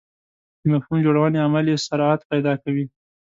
د مفهوم جوړونې عمل یې سرعت پیدا کوي.